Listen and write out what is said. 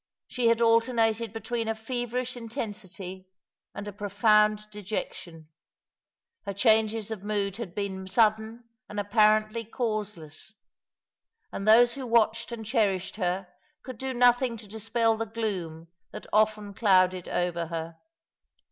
She had alternated between a feverish intensity and a profound dejectioiL Her changes of mood had been sudden and apparently causeless; and those who watched and cherished her could do nothing to dispel the gloom that often clouded over her.